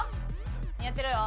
似合ってるよ。